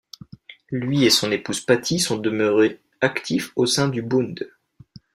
Lui et son épouse Pati sont demeurés actifs au sein du Bund.